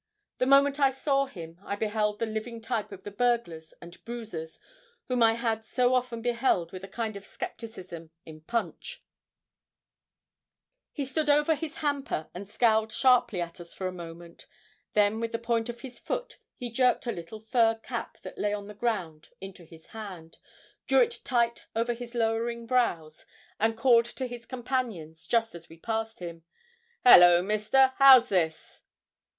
The moment I saw him, I beheld the living type of the burglars and bruisers whom I had so often beheld with a kind of scepticism in Punch. He stood over his hamper and scowled sharply at us for a moment; then with the point of his foot he jerked a little fur cap that lay on the ground into his hand, drew it tight over his lowering brows, and called to his companions, just as we passed him 'Hallo! mister. How's this?'